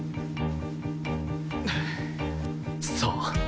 そう。